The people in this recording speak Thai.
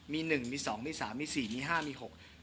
มี๑มี๒มี๓มี๔มี๕มี๖